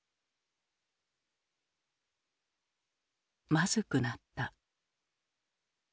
「まずくなった」。